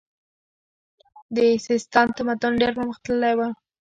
د سیستان تمدن ډیر پرمختللی و